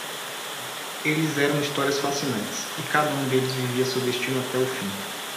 Eles eram histórias fascinantes, e cada um deles vivia seu destino até o fim.